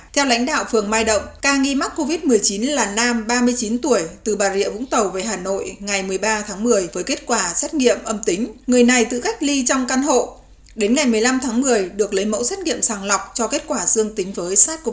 theo lãnh đạo phường mai động ca nghi mắc covid một mươi chín là nam ba mươi chín tuổi từ bà rịa vũng tàu về hà nội ngày một mươi ba tháng một mươi với kết quả xét nghiệm âm tính người này tự cách ly trong căn hộ đến ngày một mươi năm tháng một mươi được lấy mẫu xét nghiệm sàng lọc cho kết quả dương tính với sars cov hai